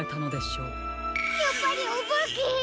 やっぱりおばけ！？